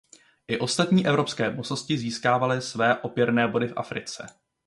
I ostatní evropské mocnosti získávaly své opěrné body v Africe.